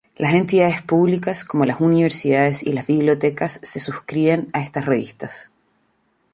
Las entidades públicas como las universidades y las bibliotecas se suscriben a estas revistas.